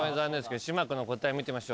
島君の答え見てみましょう。